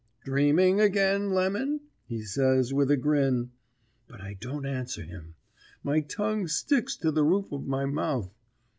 "Dreaming agin, Lemon?" he says, with a grin. But I don't answer him; my tongue sticks to the roof of my mouth.